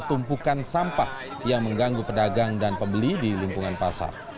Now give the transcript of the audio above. tumpukan sampah yang mengganggu pedagang dan pembeli di lingkungan pasar